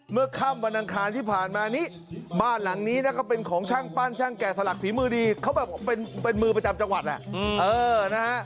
เมื่อค่ำวันอังคารที่ผ่านมานี้บ้านหลังนี้นะก็เป็นของช่างปั้นช่างแก่สลักฝีมือดีเขาแบบเป็นมือประจำจังหวัดแหละนะฮะ